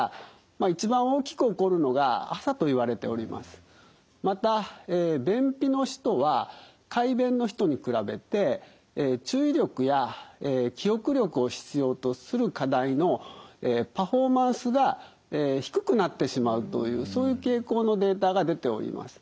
あのまたえ便秘の人は快便の人に比べて注意力や記憶力を必要とする課題のパフォーマンスが低くなってしまうというそういう傾向のデータが出ております。